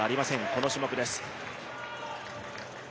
この種目です。